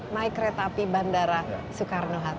naik kereta api bandara soekarno hatta